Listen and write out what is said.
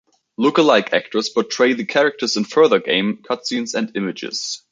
Look-alike actors portray the characters in further game cutscenes and images.